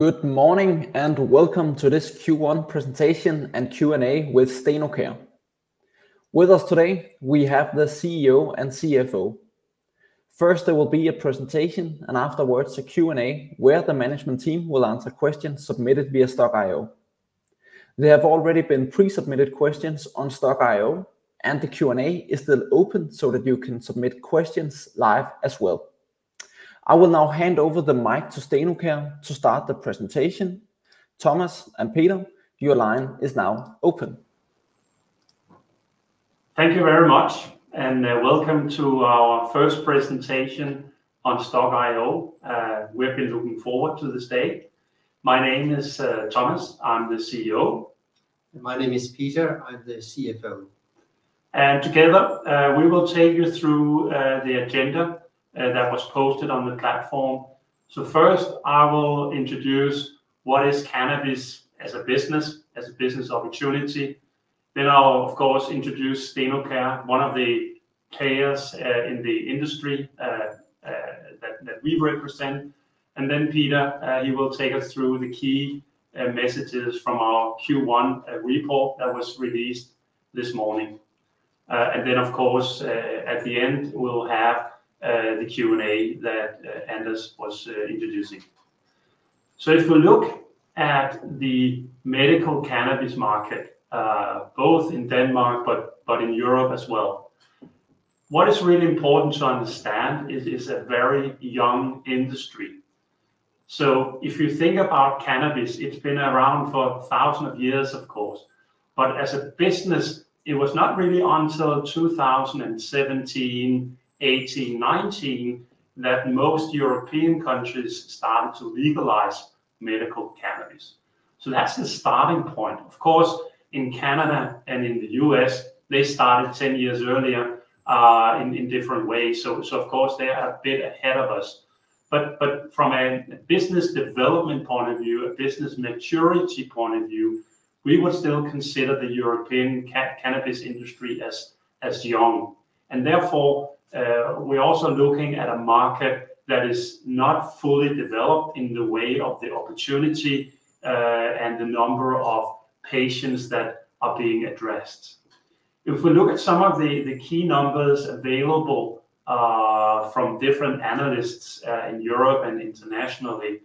Good morning, and welcome to this Q1 presentation and Q&A with Stenocare. With us today, we have the CEO and CFO. First, there will be a presentation, and afterwards, a Q&A, where the management team will answer questions submitted via Stokk.io. There have already been pre-submitted questions on Stokk.io, and the Q&A is still open so that you can submit questions live as well. I will now hand over the mic to Stenocare to start the presentation. Thomas and Peter, your line is now open. Thank you very much, and welcome to our first presentation on Stokk.io. We've been looking forward to this day. My name is Thomas. I'm the CEO. My name is Peter. I'm the CFO. Together, we will take you through the agenda that was posted on the platform. So first, I will introduce what is cannabis as a business, as a business opportunity. Then I'll, of course, introduce Stenocare, one of the players in the industry that we represent. And then Peter, he will take us through the key messages from our Q1 report that was released this morning. And then, of course, at the end, we'll have the Q&A that Anders was introducing. So if we look at the medical cannabis market, both in Denmark but in Europe as well, what is really important to understand is it's a very young industry. So if you think about cannabis, it's been around for thousands of years, of course, but as a business, it was not really until 2017, 2018, 2019, that most European countries started to legalize medical cannabis. So that's the starting point. Of course, in Canada and in the U.S., they started 10 years earlier, in different ways, so of course, they are a bit ahead of us. But from a business development point of view, a business maturity point of view, we would still consider the European cannabis industry as young, and therefore, we're also looking at a market that is not fully developed in the way of the opportunity, and the number of patients that are being addressed. If we look at some of the, the key numbers available from different analysts in Europe and internationally,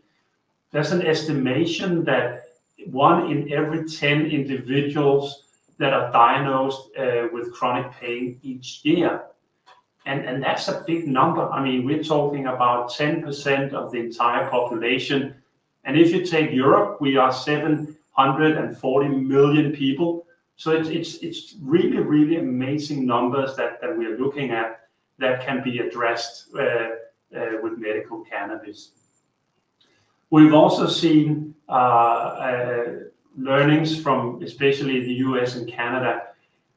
there's an estimation that one in every 10 individuals that are diagnosed with chronic pain each year, and that's a big number. I mean, we're talking about 10% of the entire population, and if you take Europe, we are 740 million people. So it's really, really amazing numbers that we are looking at that can be addressed with medical cannabis. We've also seen learnings from especially the U.S. and Canada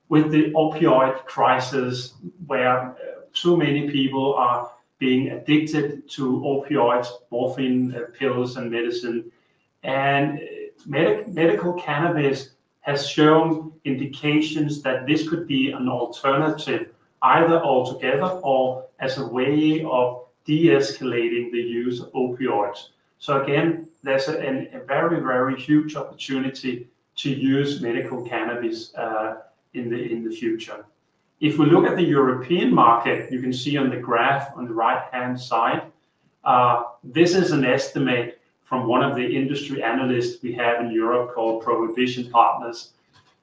with the opioid crisis, where too many people are being addicted to opioids, morphine, pills, and medicine. And medical cannabis has shown indications that this could be an alternative, either altogether or as a way of de-escalating the use of opioids. So again, there's a very, very huge opportunity to use medical cannabis in the future. If we look at the European market, you can see on the graph on the right-hand side, this is an estimate from one of the industry analysts we have in Europe called Prohibition Partners,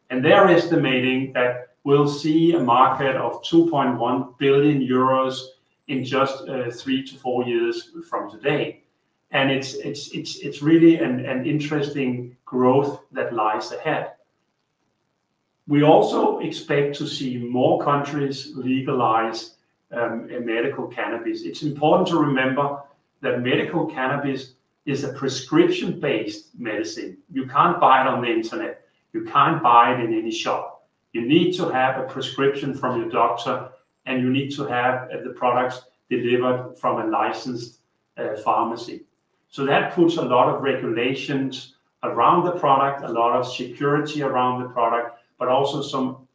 and they're estimating that we'll see a market of 2.1 billion euros in just three to four years from today, and it's really an interesting growth that lies ahead. We also expect to see more countries legalize medical cannabis. It's important to remember that medical cannabis is a prescription-based medicine. You can't buy it on the internet. You can't buy it in any shop. You need to have a prescription from your doctor, and you need to have the products delivered from a licensed pharmacy. So that puts a lot of regulations around the product, a lot of security around the product, but also some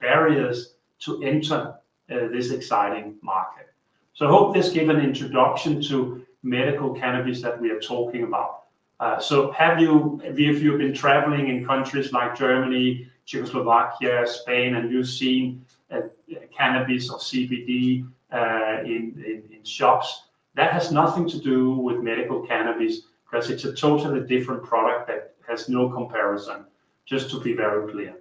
barriers to enter this exciting market. So I hope this gave an introduction to medical cannabis that we are talking about. So have you... If you've been traveling in countries like Germany, Czechoslovakia, Spain, and you've seen cannabis or CBD in shops, that has nothing to do with medical cannabis, 'cause it's a totally different product that has no comparison, just to be very clear.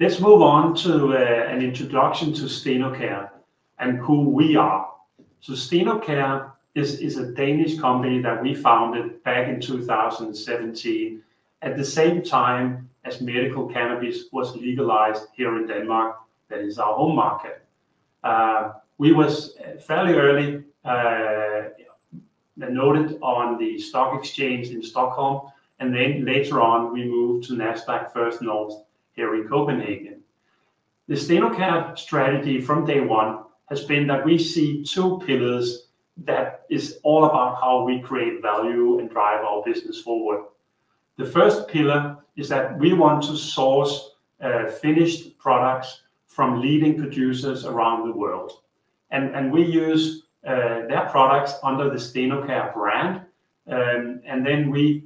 Let's move on to an introduction to Stenocare and who we are. So Stenocare is a Danish company that we founded back in 2017, at the same time as medical cannabis was legalized here in Denmark. That is our home market. We was fairly early noted on the stock exchange in Stockholm, and then later on, we moved to Nasdaq First North here in Copenhagen. The Stenocare strategy from day one has been that we see two pillars that is all about how we create value and drive our business forward. The first pillar is that we want to source finished products from leading producers around the world, and we use their products under the Stenocare brand. And then we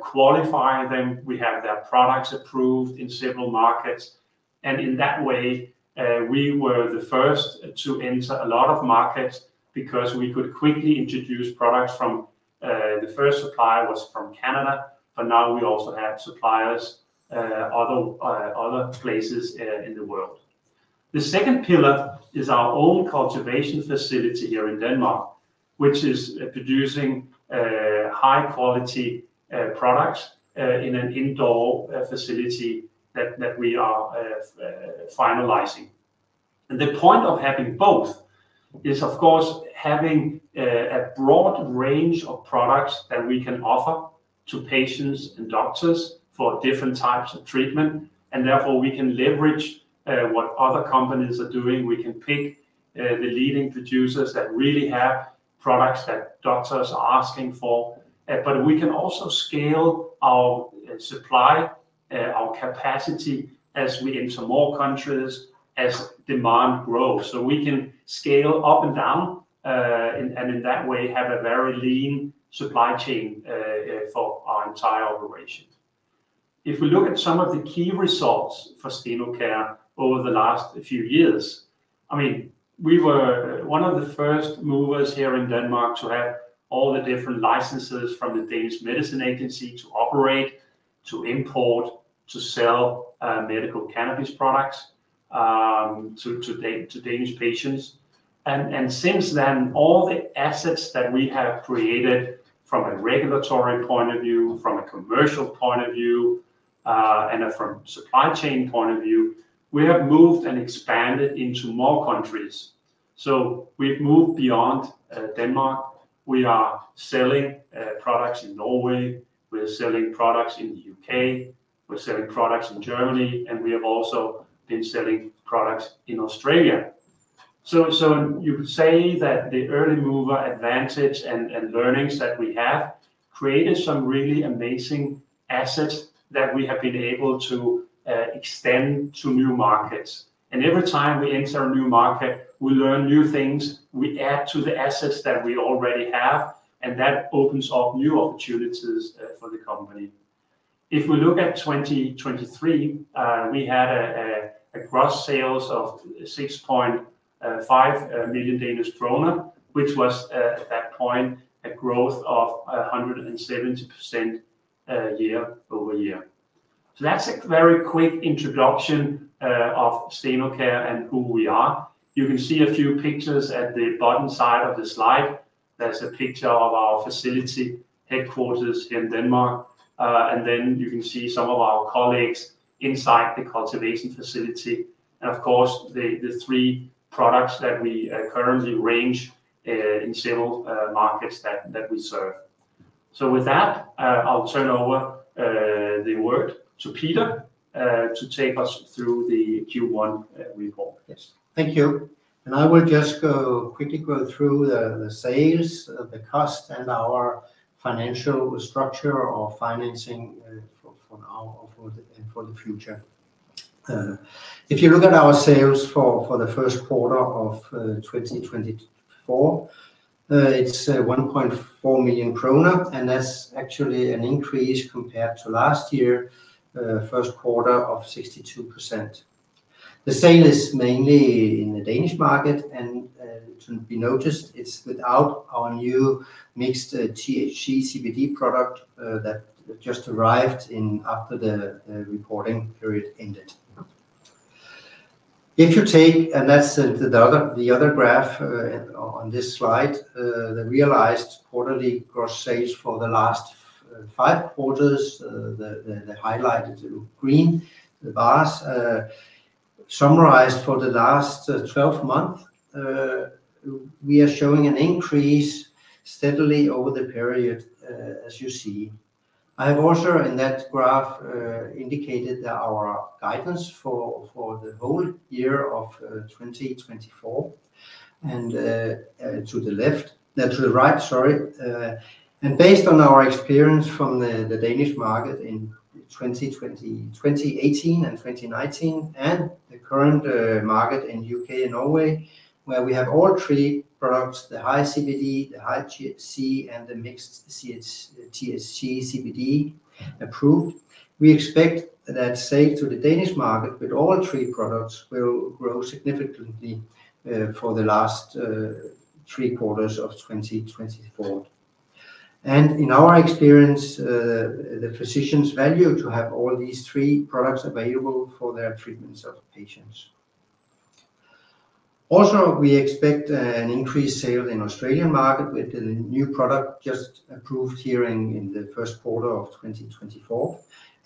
qualify them. We have their products approved in several markets, and in that way, we were the first to enter a lot of markets because we could quickly introduce products from the first supplier was from Canada, but now we also have suppliers other places in the world. The second pillar is our own cultivation facility here in Denmark, which is producing high-quality products in an indoor facility that we are finalizing. And the point of having both is, of course, having a broad range of products that we can offer to patients and doctors for different types of treatment, and therefore, we can leverage what other companies are doing. We can pick the leading producers that really have products that doctors are asking for. But we can also scale our supply, our capacity as we enter more countries, as demand grows. So we can scale up and down, and in that way, have a very lean supply chain for our entire operation. If we look at some of the key results for Stenocare over the last few years, I mean, we were one of the first movers here in Denmark to have all the different licenses from the Danish Medicines Agency to operate, to import, to sell, medical cannabis products, to Danish patients. And since then, all the assets that we have created from a regulatory point of view, from a commercial point of view, and from supply chain point of view, we have moved and expanded into more countries. So we've moved beyond Denmark. We are selling products in Norway, we are selling products in the U.K., we're selling products in Germany, and we have also been selling products in Australia. So you could say that the early mover advantage and learnings that we have created some really amazing assets that we have been able to extend to new markets. And every time we enter a new market, we learn new things. We add to the assets that we already have, and that opens up new opportunities for the company. If we look at 2023, we had a gross sales of 6.5 million Danish krone, which was at that point a growth of 170% year-over-year. So that's a very quick introduction of Stenocare and who we are. You can see a few pictures at the bottom side of the slide. There's a picture of our facility headquarters in Denmark. And then you can see some of our colleagues inside the cultivation facility, and of course, the three products that we currently range in several markets that we serve. So with that, I'll turn over the word to Peter to take us through the Q1 report. Yes. Thank you. I will just go quickly through the sales, the cost, and our financial structure or financing for now or for the future. If you look at our sales for the first quarter of 2024, it's 1.4 million krone, and that's actually an increase compared to last year first quarter of 62%. The sale is mainly in the Danish market, and to be noticed, it's without our new mixed THC, CBD product that just arrived in after the reporting period ended. If you take... And that's the other graph on this slide, the realized quarterly gross sales for the last five quarters, the highlighted in green, the bars. Summarized for the last 12 months, we are showing an increase steadily over the period, as you see. I have also, in that graph, indicated that our guidance for the whole year of 2024, and to the left, to the right, sorry. Based on our experience from the Danish market in 2018 and 2019, and the current market in U.K. and Norway, where we have all three products, the high CBD, the high THC, and the mixed THC-CBD approved, we expect that sale to the Danish market with all three products will grow significantly for the last three quarters of 2024. In our experience, the physicians value to have all these three products available for their treatments of patients. Also, we expect an increased sale in Australian market with the new product just approved here in the first quarter of 2024,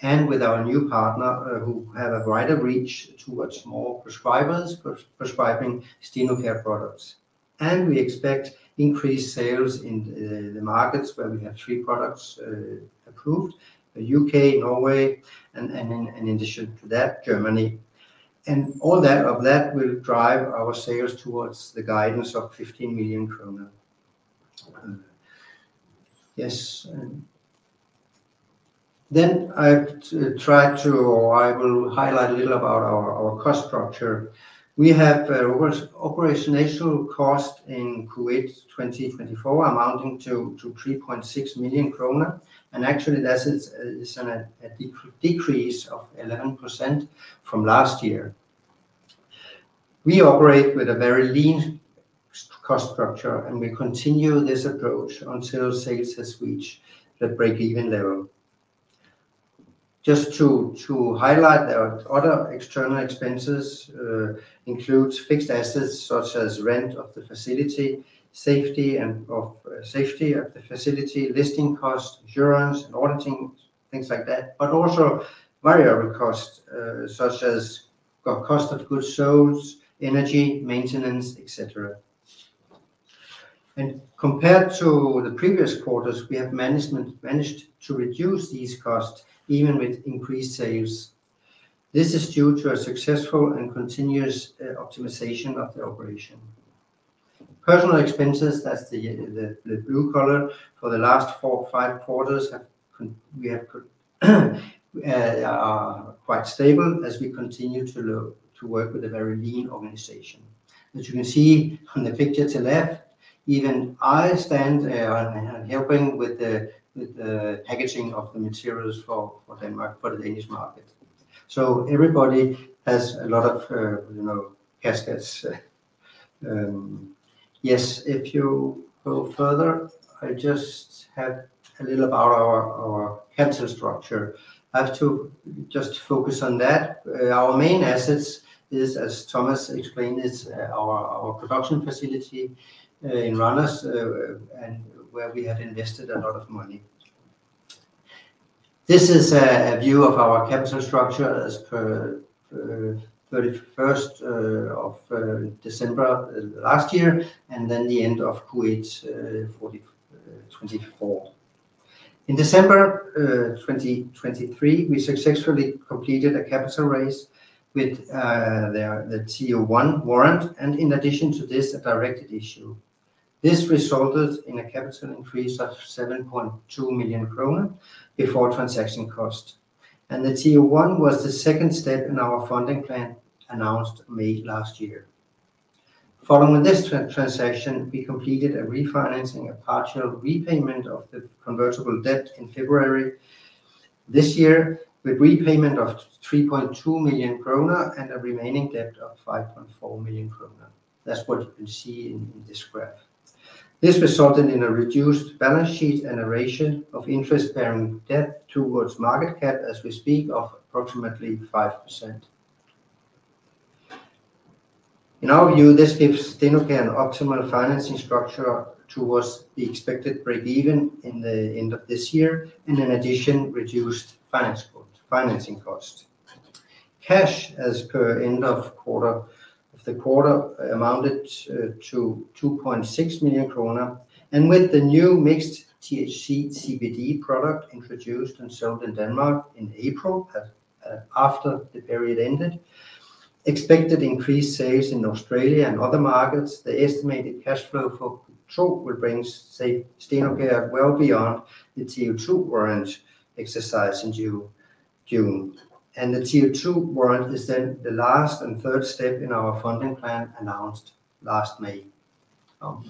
and with our new partner who have a wider reach towards more prescribers, prescribing Stenocare products. And we expect increased sales in the markets where we have three products approved, the U.K., Norway, and in addition to that, Germany. And all that will drive our sales towards the guidance of 15 million kroner. Yes, and then I've to try to, or I will highlight a little about our cost structure. We have operational cost in Q1 2024, amounting to 3.6 million kroner, and actually that is a decrease of 11% from last year. We operate with a very lean cost structure, and we continue this approach until sales has reached the breakeven level. Just to highlight, there are other external expenses, includes fixed assets such as rent of the facility, safety and safety of the facility, listing costs, insurance, and auditing, things like that, but also variable costs, such as the cost of goods sold, energy, maintenance, et cetera. And compared to the previous quarters, we have managed to reduce these costs even with increased sales. This is due to a successful and continuous optimization of the operation. Personnel expenses, that's the blue color, for the last four or five quarters, are quite stable as we continue to look to work with a very lean organization. As you can see on the picture to left, even I stand there and helping with the packaging of the materials for Denmark for the Danish market. So everybody has a lot of you know tasks. Yes, if you go further, I just have a little about our capital structure. I have to just focus on that. Our main assets is, as Thomas explained, our production facility in Randers and where we have invested a lot of money. This is a view of our capital structure as per 31st of December last year, and then the end of Q1 2024. In December 2023, we successfully completed a capital raise with the TO1 warrant, and in addition to this, a directed issue. This resulted in a capital increase of 7.2 million kroner before transaction cost, and the TO1 was the second step in our funding plan, announced May last year. Following this transaction, we completed a refinancing, a partial repayment of the convertible debt in February this year, with repayment of 3.2 million krone and a remaining debt of 5.4 million krone. That's what you can see in this graph. This resulted in a reduced balance sheet and a ratio of interest-bearing debt towards market cap, as we speak, of approximately 5%. In our view, this gives Stenocare an optimal financing structure towards the expected breakeven in the end of this year, and in addition, reduced finance cost, financing cost. Cash as per end of quarter, of the quarter, amounted to 2.6 million kroner, and with the new mixed THC, CBD product introduced and sold in Denmark in April, after the period ended, expected increased sales in Australia and other markets, the estimated cash flow for Q2 will bring Stenocare well beyond the TO2 warrant exercise in June. And the TO2 warrant is then the last and third step in our funding plan, announced last May,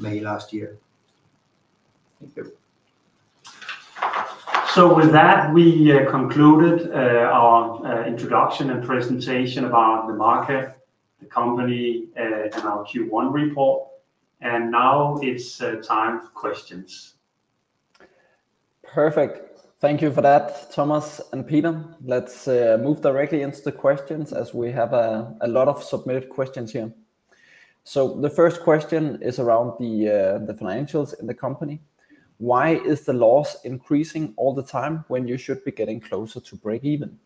May last year. Thank you. With that, we concluded our introduction and presentation about the market, the company, and our Q1 report, and now it's time for questions. Perfect. Thank you for that, Thomas and Peter. Let's move directly into the questions, as we have a lot of submitted questions here. So the first question is around the financials in the company. Why is the loss increasing all the time when you should be getting closer to breakeven?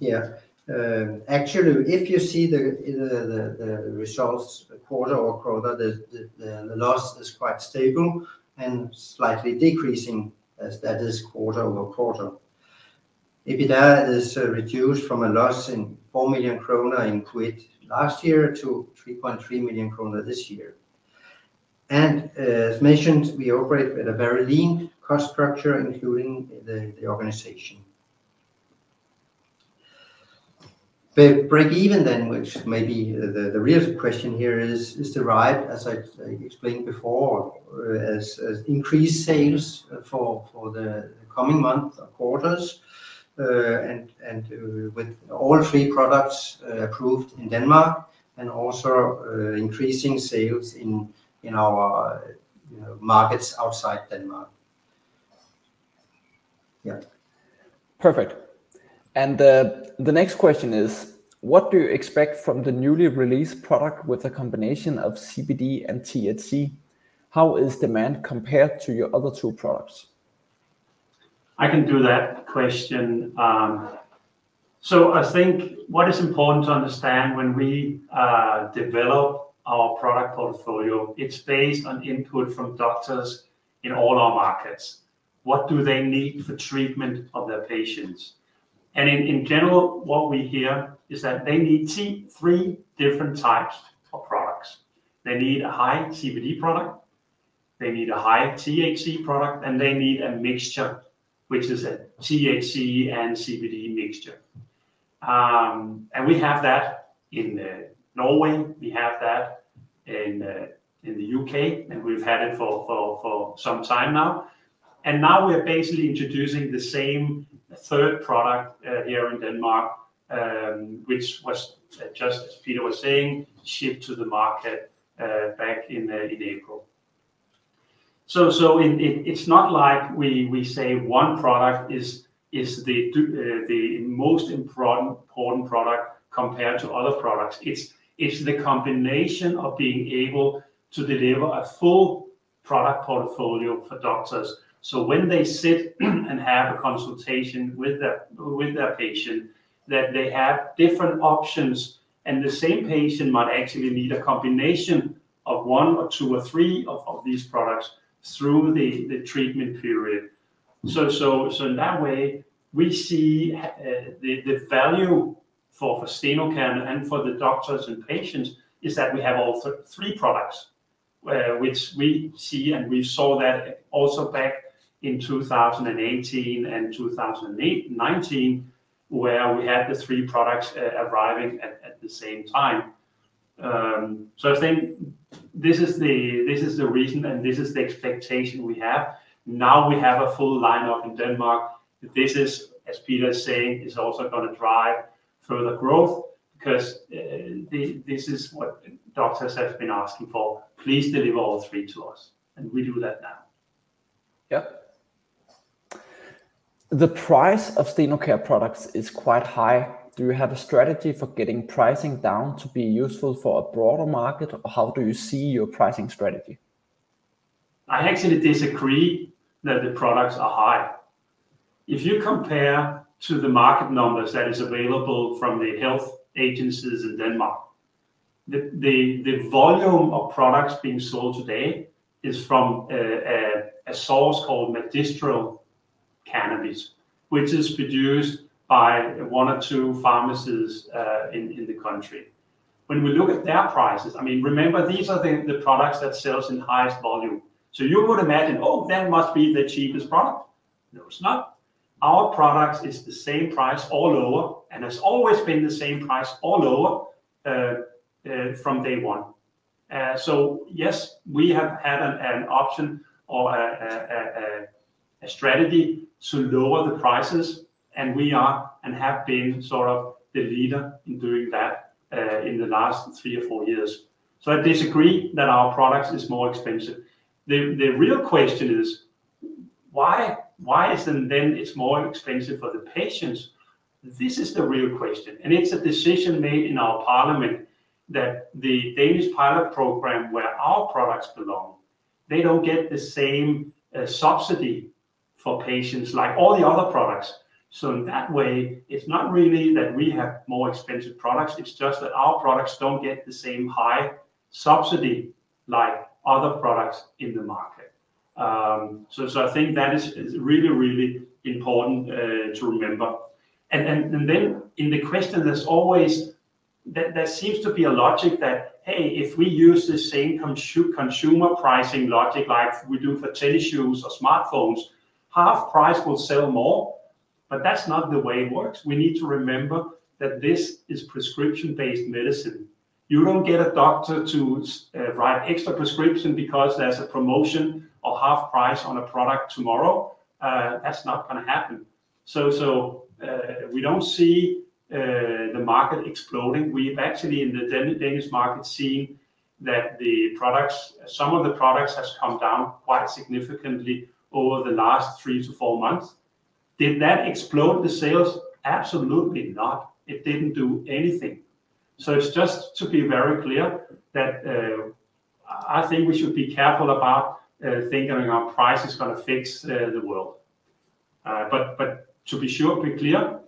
Yeah. Actually, if you see the results quarter-over-quarter, the loss is quite stable and slightly decreasing as that is quarter-over-quarter. EBITDA is reduced from a loss in 4 million krone in Q1 last year to 3.3 million krone this year. And, as mentioned, we operate with a very lean cost structure, including the organization. The breakeven then, which may be the real question here, is the right, as I explained before, as increased sales for the coming month, quarters, and with all three products approved in Denmark and also increasing sales in our markets outside Denmark. Yeah. Perfect. And the next question is: What do you expect from the newly released product with a combination of CBD and THC? How is demand compared to your other two products? I can do that question. So I think what is important to understand when we develop our product portfolio, it's based on input from doctors in all our markets. What do they need for treatment of their patients? And in general, what we hear is that they need three different types of products. They need a high CBD product, they need a high THC product, and they need a mixture, which is a THC and CBD mixture. And we have that in Norway, we have that in the U.K., and we've had it for some time now. And now we're basically introducing the same third product here in Denmark, which was, just as Peter was saying, shipped to the market back in April. It's not like we say one product is the most important product compared to other products. It's the combination of being able to deliver a full product portfolio for doctors. So when they sit and have a consultation with their patient, that they have different options, and the same patient might actually need a combination of one or two or three of these products through the treatment period. So in that way, we see the value for Stenocare and for the doctors and patients, is that we have all three products, which we see, and we saw that also back in 2018 and 2019, where we had the three products arriving at the same time. So I think this is the, this is the reason, and this is the expectation we have. Now, we have a full lineup in Denmark. This is, as Peter is saying, is also gonna drive further growth because, this is what doctors have been asking for, "Please deliver all three to us," and we do that now. Yeah. The price of Stenocare products is quite high. Do you have a strategy for getting pricing down to be useful for a broader market, or how do you see your pricing strategy? I actually disagree that the products are high. If you compare to the market numbers that is available from the health agencies in Denmark, the volume of products being sold today is from a source called medicinal cannabis, which is produced by one or two pharmacies in the country. When we look at their prices, I mean, remember, these are the products that sells in highest volume, so you would imagine, "Oh, that must be the cheapest product." No, it's not. Our products is the same price or lower, and it's always been the same price or lower from day one. So yes, we have had an option or a strategy to lower the prices, and we are, and have been sort of the leader in doing that, in the last three or four years. So I disagree that our products is more expensive. The real question is, why is it then it's more expensive for the patients? This is the real question, and it's a decision made in our parliament that the Danish Pilot Program, where our products belong, they don't get the same subsidy for patients like all the other products. So in that way, it's not really that we have more expensive products, it's just that our products don't get the same high subsidy like other products in the market. So I think that is really, really important to remember. In the question, there's always a logic that, hey, if we use the same consumer pricing logic like we do for tennis shoes or smartphones, half price will sell more. But that's not the way it works. We need to remember that this is prescription-based medicine. You don't get a doctor to write extra prescription because there's a promotion or half price on a product tomorrow. That's not gonna happen. So, we don't see the market exploding. We've actually, in the Danish market, seen that the products, some of the products, has come down quite significantly over the last 3-4 months. Did that explode the sales? Absolutely not. It didn't do anything. So it's just to be very clear that, I think we should be careful about thinking our price is gonna fix the world. But to be sure, be clear,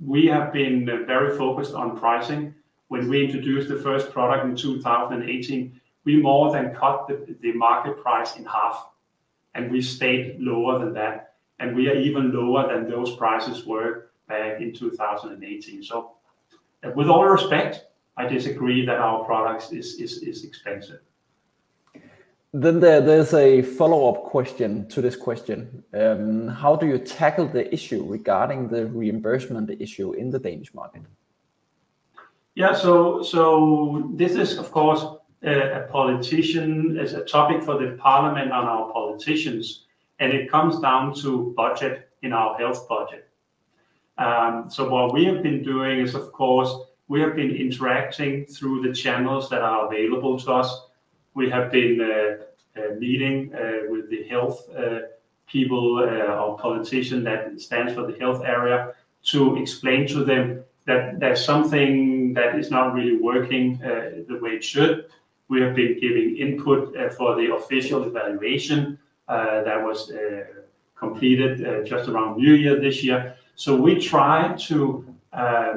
we have been very focused on pricing. When we introduced the first product in 2018, we more than cut the market price in half, and we stayed lower than that, and we are even lower than those prices were back in 2018. So with all respect, I disagree that our products is expensive. Then there's a follow-up question to this question. How do you tackle the issue regarding the reimbursement issue in the Danish market? Yeah. So this is, of course, a politician, it's a topic for the parliament and our politicians, and it comes down to budget in our health budget. So what we have been doing is, of course, we have been interacting through the channels that are available to us. We have been meeting with the health people or politician that stands for the health area, to explain to them that there's something that is not really working the way it should. We have been giving input for the official evaluation that was completed just around New Year this year. So we try to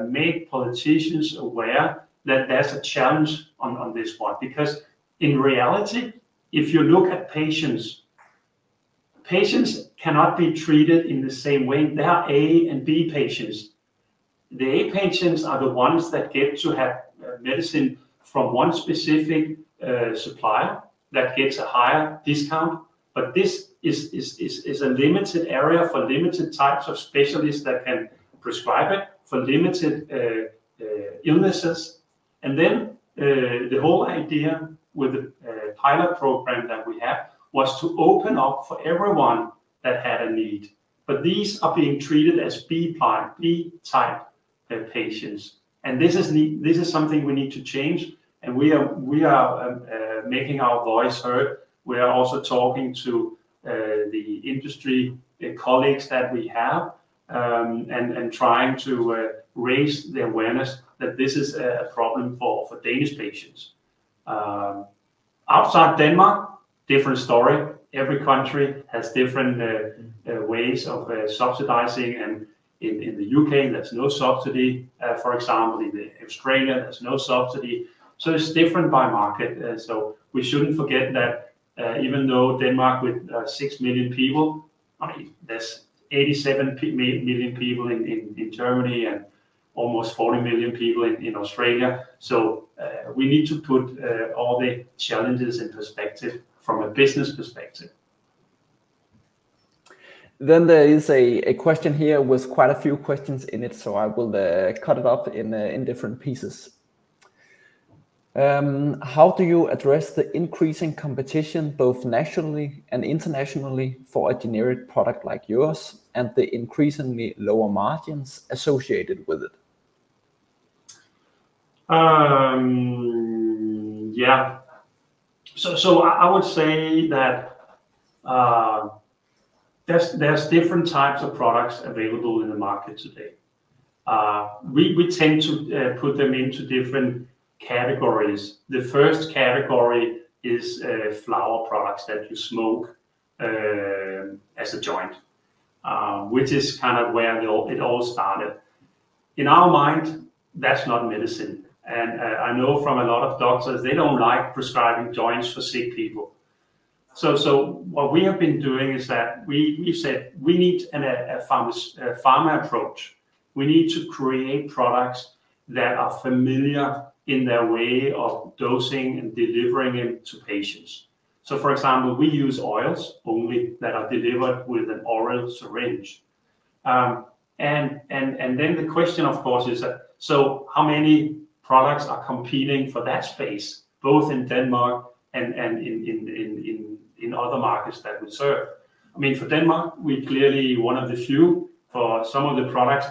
make politicians aware that there's a challenge on this one. Because in reality, if you look at patients—patients cannot be treated in the same way. There are A and B patients. The A patients are the ones that get to have medicine from one specific supplier that gets a higher discount. But this is a limited area for limited types of specialists that can prescribe it for limited illnesses. And then the whole idea with the Pilot Program that we have was to open up for everyone that had a need, but these are being treated as B type patients. And this is something we need to change, and we are making our voice heard. We are also talking to the industry, the colleagues that we have, and trying to raise the awareness that this is a problem for Danish patients. Outside Denmark, different story. Every country has different ways of subsidizing, and in the U.K., there's no subsidy. For example, in Australia, there's no subsidy, so it's different by market. So we shouldn't forget that, even though Denmark with 6 million people, I mean, there's 87 million people in Germany, and almost 40 million people in Australia. So we need to put all the challenges in perspective from a business perspective. Then there is a question here with quite a few questions in it, so I will cut it up in different pieces. How do you address the increasing competition, both nationally and internationally, for a generic product like yours and the increasingly lower margins associated with it? Yeah. So I would say that there's different types of products available in the market today. We tend to put them into different categories. The first category is flower products that you smoke as a joint, which is kind of where it all started. In our mind, that's not medicine, and I know from a lot of doctors they don't like prescribing joints for sick people. So what we have been doing is that we've said we need a pharma approach. We need to create products that are familiar in their way of dosing and delivering it to patients. So, for example, we use oils only that are delivered with an oral syringe. Then the question, of course, is that, so how many products are competing for that space, both in Denmark and in other markets that we serve? I mean, for Denmark, we're clearly one of the few. For some of the products,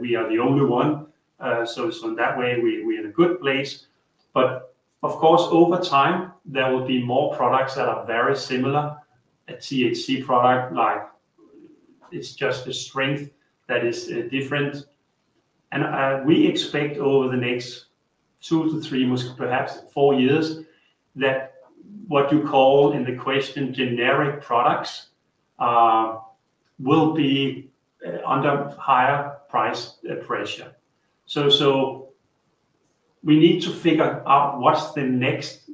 we are the only one. So in that way, we're in a good place. But of course, over time there will be more products that are very similar, a THC product, like it's just the strength that is different. And we expect over the next 2-3, perhaps 4 years, that what you call in the question, generic products, will be under higher price pressure. So we need to figure out what's the next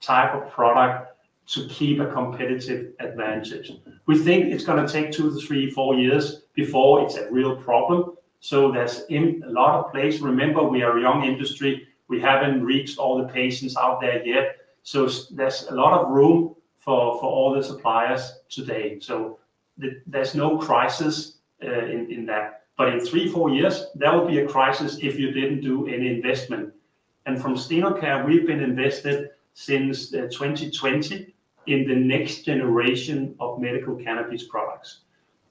type of product to keep a competitive advantage. We think it's gonna take 2 to 3, 4 years before it's a real problem, so there's in a lot of places. Remember, we are a young industry. We haven't reached all the patients out there yet, so there's a lot of room for all the suppliers today. So there's no crisis in that. But in 3, 4 years, there will be a crisis if you didn't do any investment. And from Stenocare, we've been invested since 2020 in the next generation of medical cannabis products.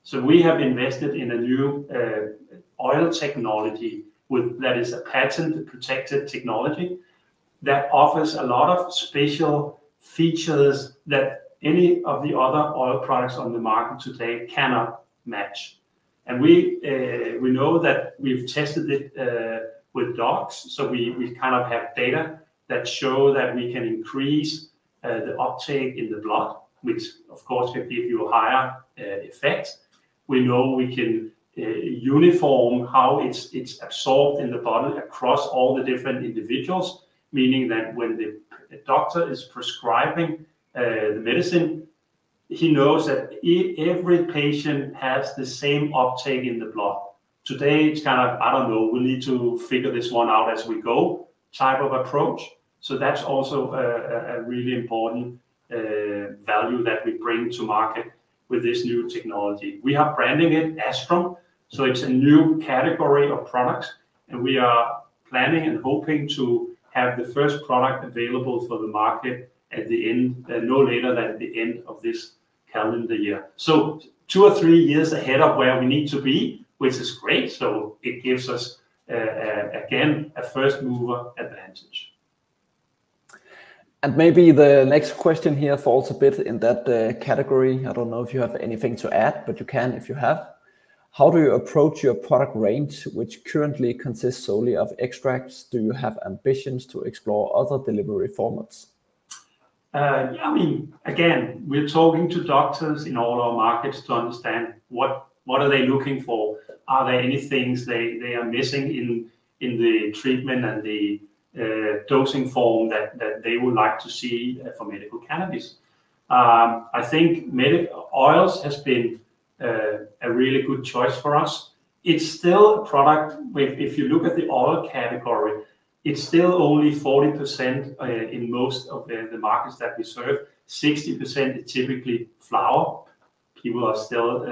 So we have invested in a new oil technology that is a patent-protected technology that offers a lot of special features that any of the other oil products on the market today cannot match. We know that we've tested it with docs, so we kind of have data that show that we can increase the uptake in the blood, which of course will give you a higher effect. We know we can uniform how it's absorbed in the body across all the different individuals, meaning that when the doctor is prescribing the medicine, he knows that every patient has the same uptake in the blood. Today, it's kind of, I don't know, we'll need to figure this one out as we go, type of approach, so that's also a really important value that we bring to market with this new technology. We are branding it ASTRUM, so it's a new category of products, and we are planning and hoping to have the first product available for the market at the end, no later than the end of this calendar year. So two or three years ahead of where we need to be, which is great, so it gives us, again, a first mover advantage. Maybe the next question here falls a bit in that category. I don't know if you have anything to add, but you can, if you have. How do you approach your product range, which currently consists solely of extracts? Do you have ambitions to explore other delivery formats? I mean, again, we're talking to doctors in all our markets to understand what are they looking for? Are there any things they are missing in the treatment and the dosing form that they would like to see for medical cannabis? I think medical oils has been a really good choice for us. It's still a product, with, if you look at the oil category, it's still only 40% in most of the markets that we serve. 60% is typically flower. People are still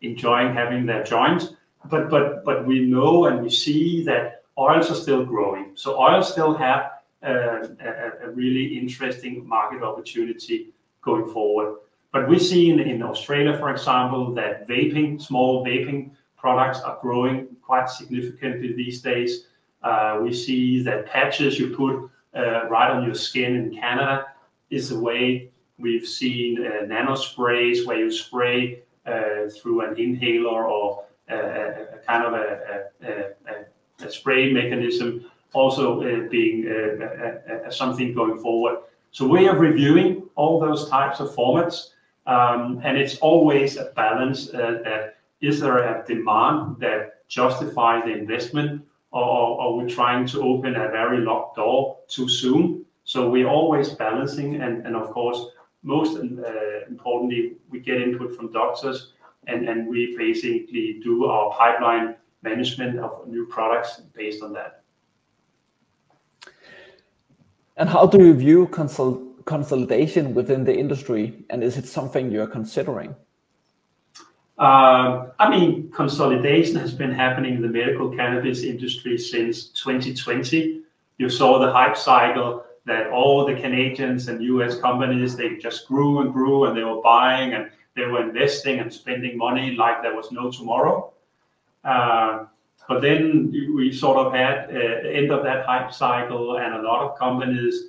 enjoying having their joints, but we know and we see that oils are still growing. So oils still have a really interesting market opportunity going forward. But we're seeing in Australia, for example, that vaping, small vaping products are growing quite significantly these days. We see that patches you put right on your skin in Canada is a way. We've seen nano sprays, where you spray through an inhaler or a kind of spray mechanism, also being something going forward. So we are reviewing all those types of formats, and it's always a balance. Is there a demand that justifies the investment, or are we trying to open a very locked door too soon? So we're always balancing, and of course, most importantly, we get input from doctors, and we basically do our pipeline management of new products based on that. How do you view consolidation within the industry, and is it something you're considering? I mean, consolidation has been happening in the medical cannabis industry since 2020. You saw the hype cycle that all the Canadians and U.S. companies, they just grew and grew, and they were buying, and they were investing and spending money like there was no tomorrow. But then we sort of had an end of that hype cycle, and a lot of companies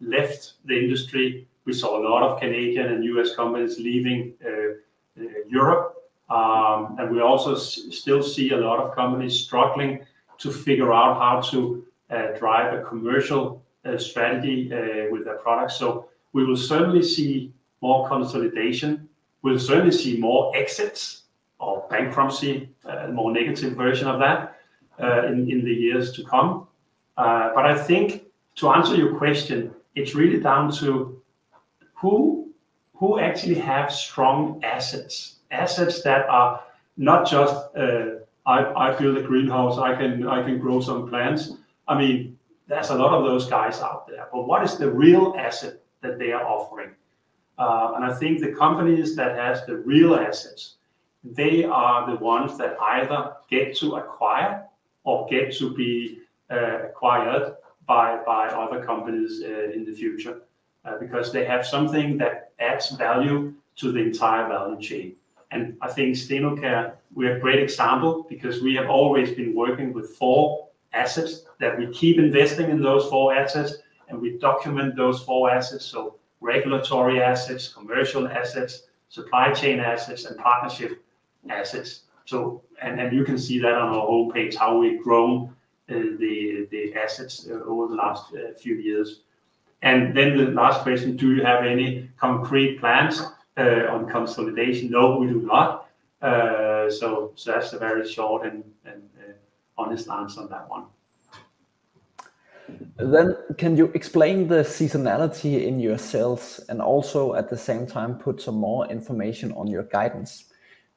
left the industry. We saw a lot of Canadian and U.S. companies leaving Europe. And we also still see a lot of companies struggling to figure out how to drive a commercial strategy with their products. So we will certainly see more consolidation. We'll certainly see more exits or bankruptcy, a more negative version of that, in the years to come. But I think to answer your question, it's really down to who, who actually have strong assets? Assets that are not just, "I, I build a greenhouse. I can, I can grow some plants." I mean, there's a lot of those guys out there, but what is the real asset that they are offering? And I think the companies that has the real assets, they are the ones that either get to acquire or get to be, acquired by, by other companies, in the future. Because they have something that adds value to the entire value chain. And I think Stenocare, we're a great example because we have always been working with four assets, that we keep investing in those four assets, and we document those four assets, so regulatory assets, commercial assets, supply chain assets, and partnership assets. So... And you can see that on our home page, how we've grown the assets over the last few years. And then the last question, do you have any concrete plans on consolidation? No, we do not. So that's a very short and honest answer on that one. Then can you explain the seasonality in your sales and also, at the same time, put some more information on your guidance?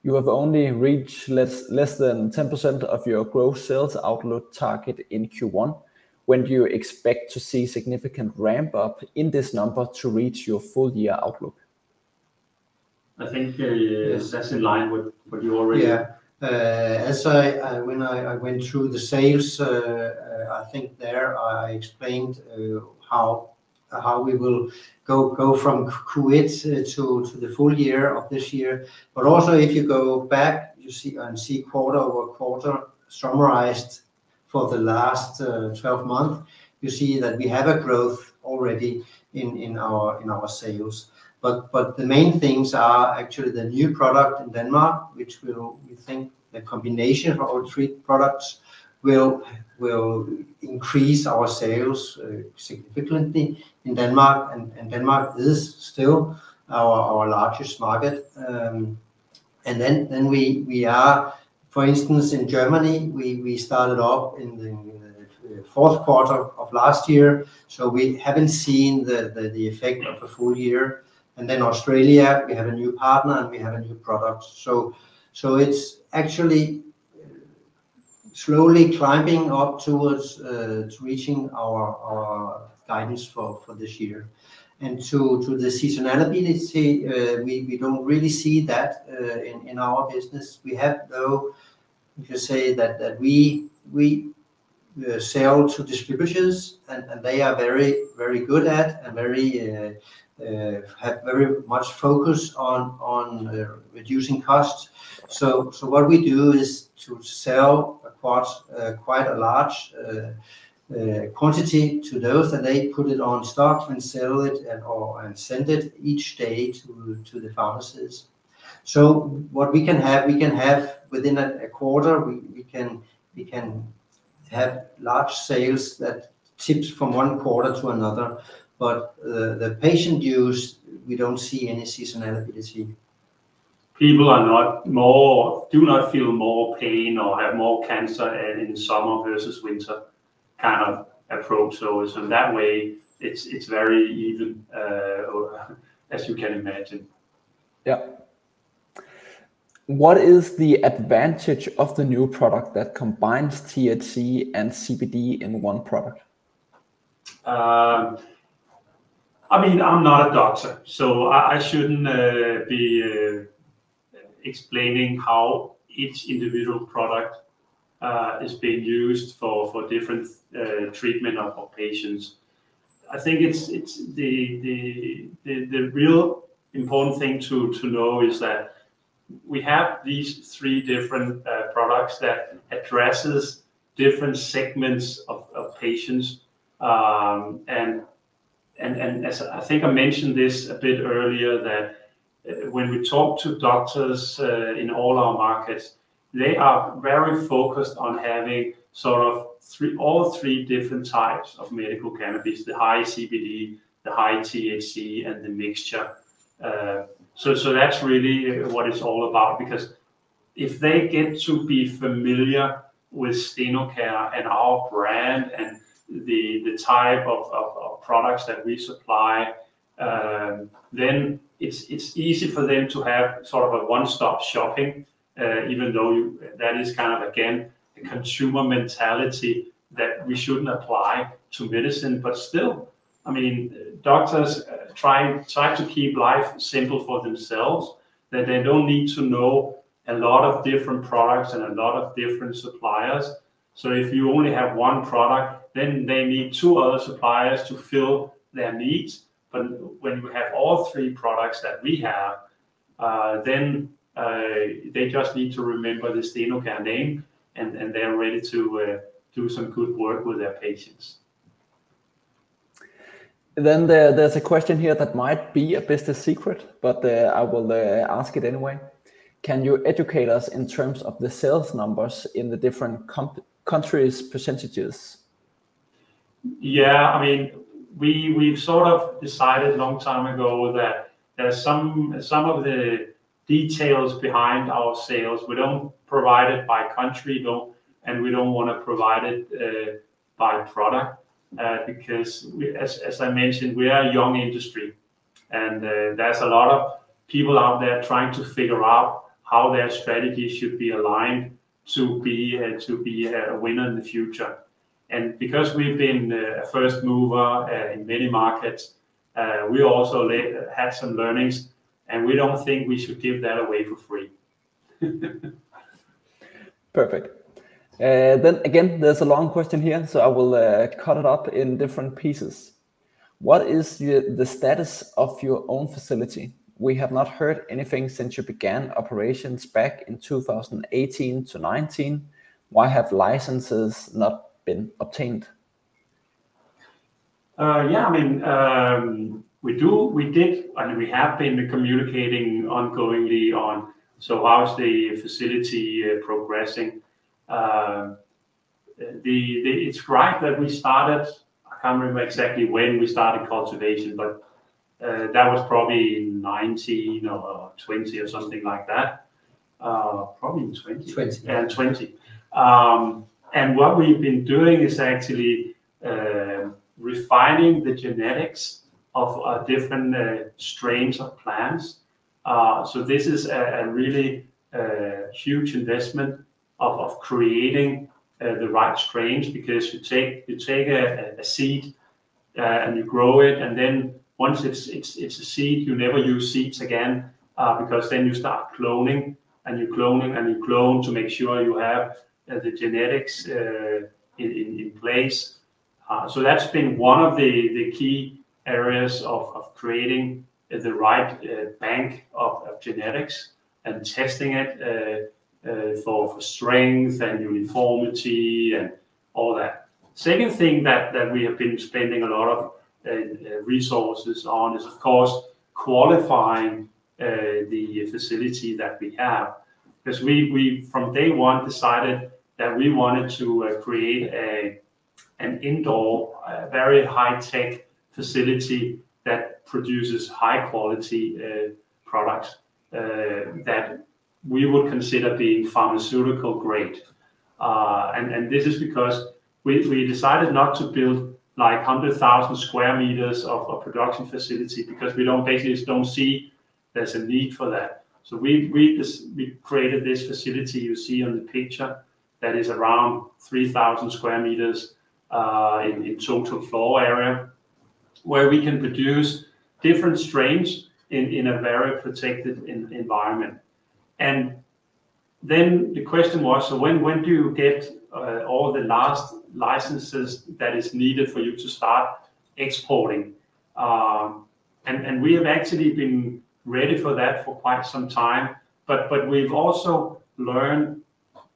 You have only reached less than 10% of your gross sales outlook target in Q1. When do you expect to see significant ramp-up in this number to reach your full year outlook? I think- Yes. That's in line with what you already- Yeah. As I, when I went through the sales, I think there I explained how we will go from Q8 to the full year of this year. But also, if you go back, you see and see quarter-over-quarter summarized for the last 12 months, you see that we have a growth already in our sales. But the main things are actually the new product in Denmark, which will, we think the combination of our 3 products will increase our sales significantly in Denmark, and Denmark is still our largest market. And then, for instance, in Germany, we started off in the fourth quarter of last year, so we haven't seen the effect of a full year. And then Australia, we have a new partner, and we have a new product. So it's actually slowly climbing up towards to reaching our guidance for this year. And to the seasonality, we don't really see that in our business. We have, though, you could say that we sell to distributors, and they are very good at and very have very much focused on reducing costs. So what we do is to sell across quite a large quantity to those, and they put it on stock and sell it or send it each day to the pharmacies. So what we can have, we can have within a quarter, we can have large sales that tips from one quarter to another. The patient use, we don't see any seasonality. People do not feel more pain or have more cancer in summer versus winter... kind of approach. So, so that way, it's, it's very even, as you can imagine. Yeah. What is the advantage of the new product that combines THC and CBD in one product? I mean, I'm not a doctor, so I shouldn't be explaining how each individual product is being used for different treatment of patients. I think it's the real important thing to know is that we have these three different products that addresses different segments of patients. And as I think I mentioned this a bit earlier, that when we talk to doctors in all our markets, they are very focused on having sort of three-all three different types of medical cannabis, the high CBD, the high THC, and the mixture. So, so that's really what it's all about, because if they get to be familiar with Stenocare and our brand and the type of products that we supply, then it's easy for them to have sort of a one-stop shopping. Even though that is kind of, again, the consumer mentality that we shouldn't apply to medicine, but still, I mean, doctors try to keep life simple for themselves, that they don't need to know a lot of different products and a lot of different suppliers. So if you only have one product, then they need two other suppliers to fill their needs. But when you have all three products that we have, then they just need to remember the Stenocare name, and they are ready to do some good work with their patients. Then there's a question here that might be a business secret, but I will ask it anyway. Can you educate us in terms of the sales numbers in the different countries' percentages? Yeah. I mean, we've sort of decided a long time ago that there are some of the details behind our sales, we don't provide it by country, though, and we don't want to provide it by product, because we, as I mentioned, we are a young industry, and there's a lot of people out there trying to figure out how their strategy should be aligned to be a winner in the future. And because we've been a first mover in many markets, we also had some learnings, and we don't think we should give that away for free. Perfect. Then again, there's a long question here, so I will cut it up in different pieces. What is the status of your own facility? We have not heard anything since you began operations back in 2018-2019. Why have licenses not been obtained? Yeah, I mean, we do, we did, and we have been communicating ongoingly on, so how is the facility progressing? It's right that we started. I can't remember exactly when we started cultivation, but that was probably in 2019 or 2020 or something like that. Probably in 2020. 2020. Yeah, 2020. What we've been doing is actually refining the genetics of different strains of plants. This is a really huge investment of creating the right strains, because you take a seed and you grow it, and then once it's a seed, you never use seeds again, because then you start cloning, and you're cloning, and you clone to make sure you have the genetics in place. That's been one of the key areas of creating the right bank of genetics and testing it for strength and uniformity and all that. Second thing that we have been spending a lot of resources on is, of course, qualifying the facility that we have, because we from day one decided that we wanted to create an indoor very high-tech facility that produces high-quality products that we would consider being pharmaceutical grade. And this is because we decided not to build like 100,000 square meters of a production facility because we basically just don't see there's a need for that. So we just created this facility you see on the picture, that is around 3,000 square meters in total floor area, where we can produce different strains in a very protected environment. And then the question was, "So when do you get all the last licenses that is needed for you to start exporting?" And we have actually been ready for that for quite some time. But we've also learned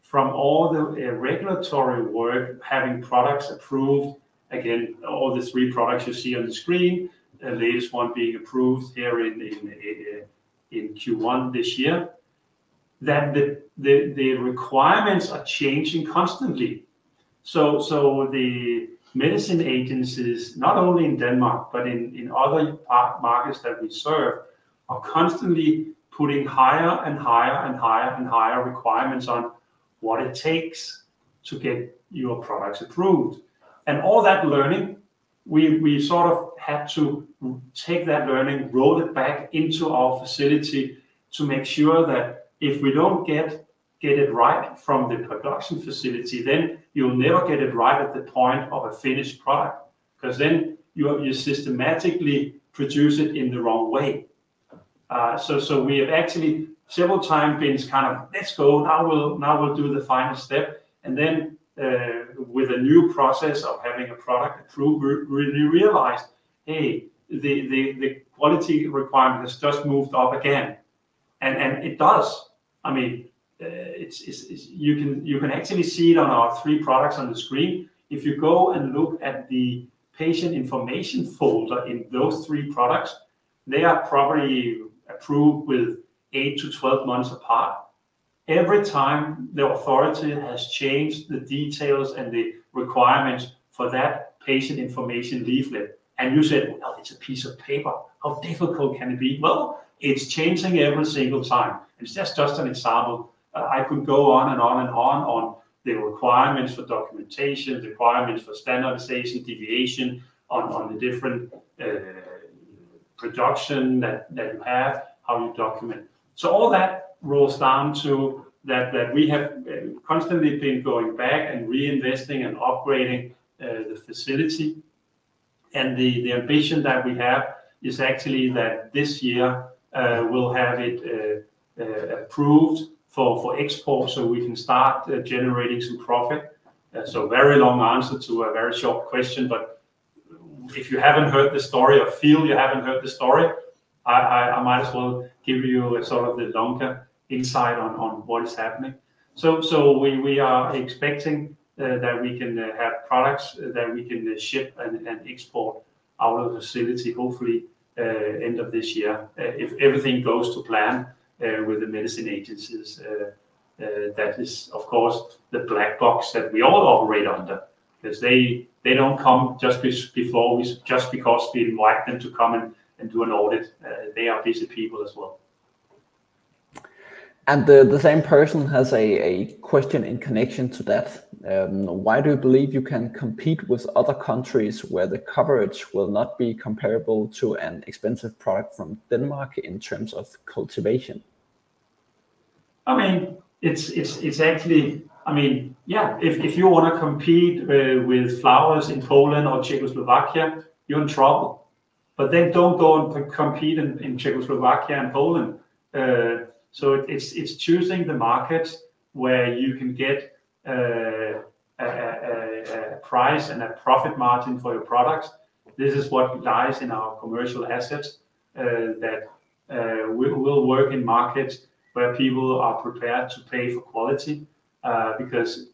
from all the regulatory work, having products approved, again, all the three products you see on the screen, the latest one being approved here in Q1 this year, that the requirements are changing constantly. So the medicines agencies, not only in Denmark but in other markets that we serve are constantly putting higher and higher, and higher, and higher requirements on what it takes to get your products approved. And all that learning, we sort of had to take that learning, roll it back into our facility to make sure that if we don't get it right from the production facility, then you'll never get it right at the point of a finished product. Because then you systematically produce it in the wrong way. So we have actually several times been kind of, "Let's go, now we'll do the final step." And then, with a new process of having a product approved, we realized, hey, the quality requirement has just moved up again. And it does. I mean, it's you can actually see it on our three products on the screen. If you go and look at the patient information folder in those three products, they are probably approved with 8-12 months apart. Every time the authority has changed the details and the requirements for that patient information leaflet, and you said, "Well, it's a piece of paper, how difficult can it be?" Well, it's changing every single time, and that's just an example. But I could go on, and on, and on, on the requirements for documentation, the requirements for standardization, deviation on, on the different, production that, that you have, how you document. So all that boils down to that, that we have, constantly been going back and reinvesting and upgrading, the facility. And the, the ambition that we have is actually that this year, we'll have it, approved for, for export so we can start generating some profit. So very long answer to a very short question, but if you haven't heard the story or feel you haven't heard the story, I might as well give you a sort of the longer insight on what is happening. So we are expecting that we can have products that we can ship and export out of the facility, hopefully end of this year, if everything goes to plan, with the medicine agencies. That is, of course, the black box that we all operate under, because they don't come just before we just because we invite them to come and do an audit. They are busy people as well. The same person has a question in connection to that. Why do you believe you can compete with other countries where the coverage will not be comparable to an expensive product from Denmark in terms of cultivation? I mean, it's actually... I mean, yeah, if you want to compete with flowers in Poland or Czechoslovakia, you're in trouble. But then don't go and compete in Czechoslovakia and Poland. So it's choosing the market where you can get a price and a profit margin for your products. This is what lies in our commercial assets that we will work in markets where people are prepared to pay for quality. Because,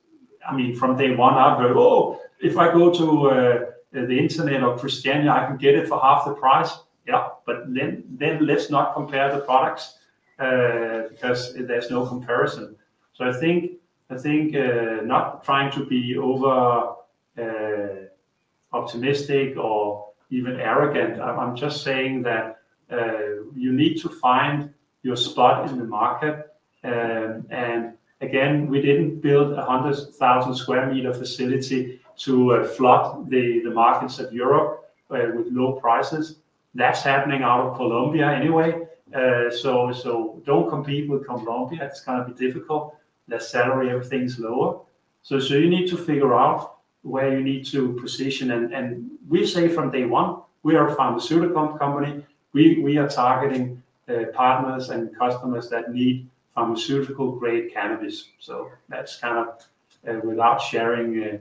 I mean, from day one, I've heard, "Oh, if I go to the internet or Christiania, I can get it for half the price." Yeah, but then let's not compare the products because there's no comparison. So I think not trying to be overly optimistic or even arrogant, I'm just saying that you need to find your spot in the market. And again, we didn't build a 100,000 square meter facility to flood the markets of Europe with low prices. That's happening out of Colombia anyway. So don't compete with Colombia, that's gonna be difficult. Their salary, everything is lower. So you need to figure out where you need to position and we say from day one, we are a pharmaceutical company. We are targeting partners and customers that need pharmaceutical-grade cannabis. So that's kind of without sharing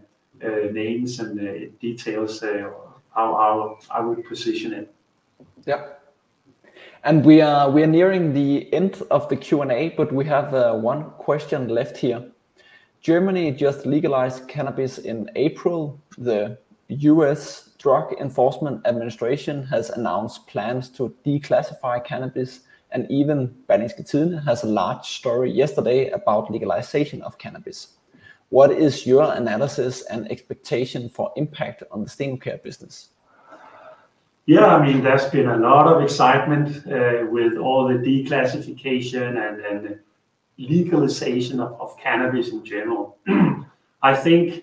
names and details how I would position it. Yeah. And we are, we are nearing the end of the Q&A, but we have one question left here. Germany just legalized cannabis in April. The U.S. Drug Enforcement Administration has announced plans to declassify cannabis, and even Berlingske Tidende has a large story yesterday about legalization of cannabis. What is your analysis and expectation for impact on the Stenocare business? Yeah, I mean, there's been a lot of excitement with all the declassification and legalization of cannabis in general. I think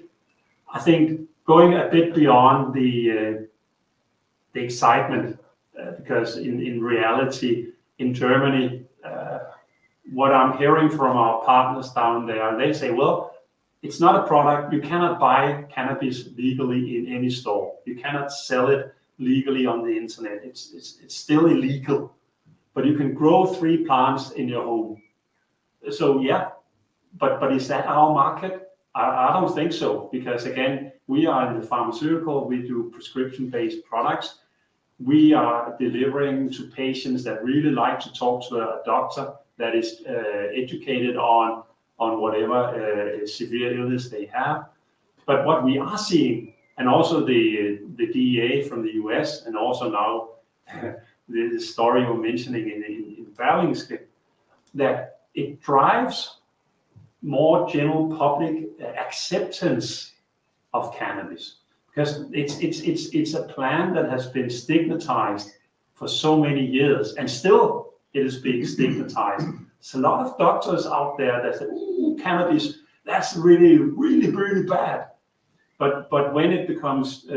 going a bit beyond the excitement, because in reality, in Germany, what I'm hearing from our partners down there, they say, "Well, it's not a product. You cannot buy cannabis legally in any store. You cannot sell it legally on the internet. It's still illegal, but you can grow three plants in your home." So, yeah, but is that our market? I don't think so, because again, we are in the pharmaceutical, we do prescription-based products. We are delivering to patients that really like to talk to a doctor that is educated on whatever severe illness they have. But what we are seeing, and also the, the DEA from the U.S., and also now, the story you're mentioning in, in Berlingske, that it drives more general public acceptance of cannabis. Because it's a plant that has been stigmatized for so many years, and still it is being stigmatized. There's a lot of doctors out there that say, "Ooh, cannabis, that's really, really, really bad!" But when it becomes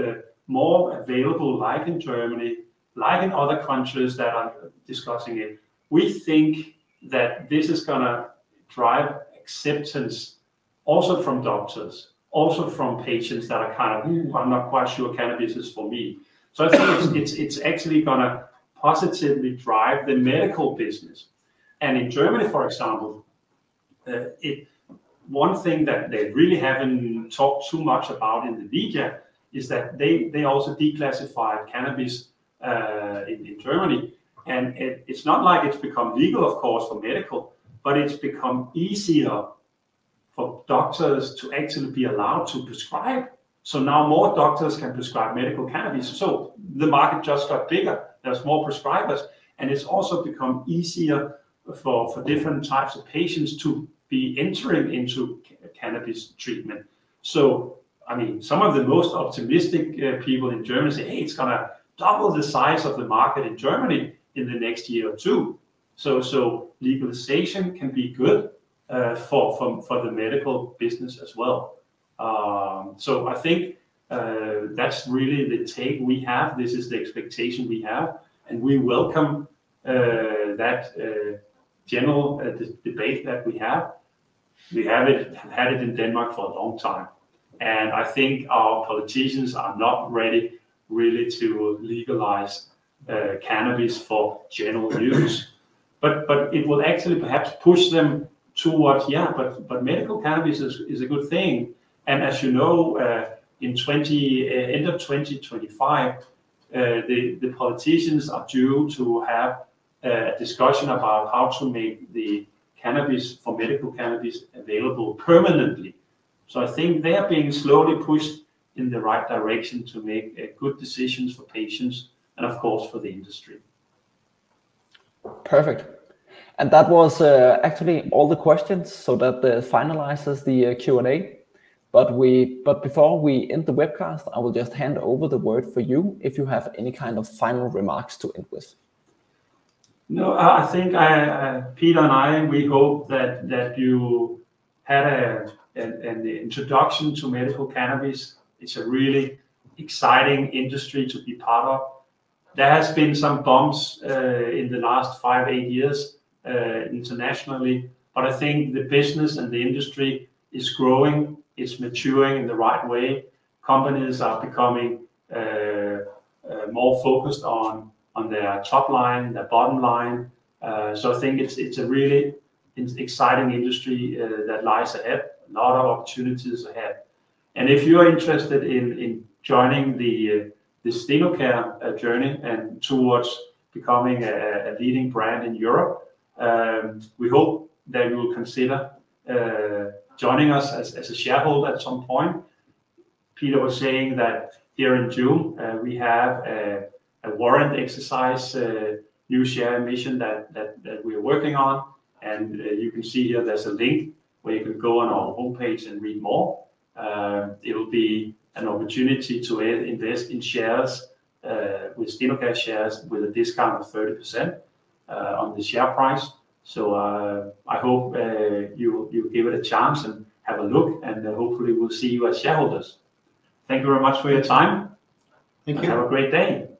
more available, like in Germany, like in other countries that are discussing it, we think that this is gonna drive acceptance also from doctors, also from patients that are kind of, "Ooh, I'm not quite sure cannabis is for me." So I think it's actually gonna positively drive the medical business. In Germany, for example, one thing that they really haven't talked too much about in the media is that they also declassified cannabis in Germany. It's not like it's become legal, of course, for medical, but it's become easier for doctors to actually be allowed to prescribe. So now more doctors can prescribe medical cannabis, so the market just got bigger. There's more prescribers, and it's also become easier for different types of patients to be entering into cannabis treatment. So, I mean, some of the most optimistic people in Germany say, "Hey, it's gonna double the size of the market in Germany in the next year or two." So legalization can be good for the medical business as well. So I think that's really the take we have, this is the expectation we have, and we welcome that general debate that we have. We have had it in Denmark for a long time, and I think our politicians are not ready really to legalize cannabis for general use. But it will actually perhaps push them towards, "Yeah, but medical cannabis is a good thing." And as you know, at the end of 2025, the politicians are due to have a discussion about how to make the cannabis for medical cannabis available permanently. So I think they are being slowly pushed in the right direction to make good decisions for patients and, of course, for the industry. Perfect. That was actually all the questions, so that finalizes the Q&A. But before we end the webcast, I will just hand over the word for you, if you have any kind of final remarks to end with. No, I think Peter and I, we hope that you had an introduction to medical cannabis. It's a really exciting industry to be part of. There has been some bumps in the last 5-8 years internationally, but I think the business and the industry is growing, it's maturing in the right way. Companies are becoming more focused on their top line, their bottom line. So I think it's a really exciting industry that lies ahead. A lot of opportunities ahead. And if you are interested in joining the Stenocare journey and towards becoming a leading brand in Europe, we hope that you will consider joining us as a shareholder at some point. Peter was saying that here in June, we have a warrant exercise, new share emission that we're working on, and you can see here there's a link where you can go on our homepage and read more. It'll be an opportunity to invest in shares with Stenocare shares with a discount of 30% on the share price. So, I hope you give it a chance and have a look, and hopefully, we'll see you as shareholders. Thank you very much for your time. Thank you. Have a great day.